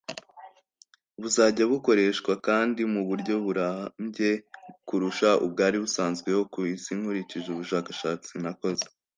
buzajya bukoreshwa kandi mu buryo burambye kurusha ubwari busanzweho ku isi nkurikije ubushakashatsi nakoze